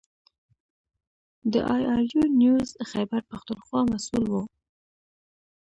د اې ار یو نیوز خیبر پښتونخوا مسوول و.